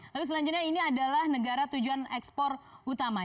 lalu selanjutnya ini adalah negara tujuan ekspor utama